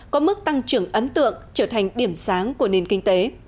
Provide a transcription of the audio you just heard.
có mức tăng trưởng ấn tượng trở thành điểm sáng của nền kinh tế